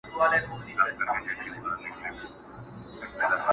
بختور یې چي مي ستونی لا خوږیږي،